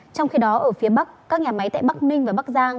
trong khi đó ở phía bắc các nhà máy tại bắc ninh và bắc giang